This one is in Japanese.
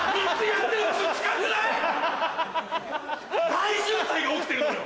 大渋滞が起きてるのよ！